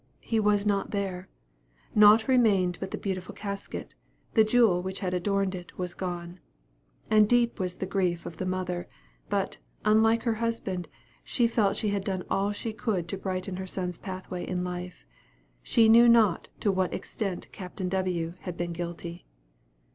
He was not there; nought remained but the beautiful casket; the jewel which had adorned it was gone. And deep was the grief of the mother; but, unlike her husband, she felt she had done all she could to brighten her son's pathway in life. She knew not to what extent Capt. W. had been guilty.